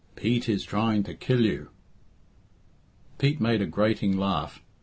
Pete is trying to kill you." Pete made a grating laugh.